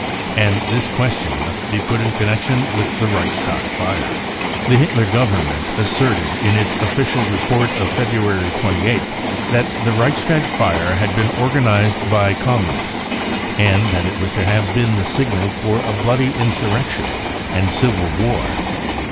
And this question must be put in connection with the Reichstag fire. The Hitler government asserted in its official report of February 28th that the Reichstag fire had been organised by Communists and that it was to have been the signal for a bloody insurrection and civil war.